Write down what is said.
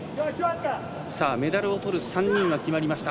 メダルをとる３人が決まりました。